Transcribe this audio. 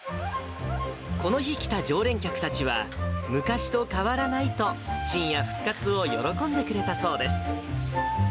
この日来た常連客たちは、昔と変わらないと、ちんや復活を喜んでくれたそうです。